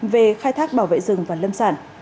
về khai thác bảo vệ rừng và lâm sản